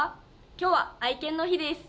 今日は愛犬の日です。